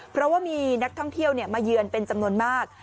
เพราะว่ามีนักท่องเที่ยวมาเยือนเป็นจำนวนมาก